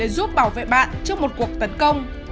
giúp bảo vệ bạn trước một cuộc tấn công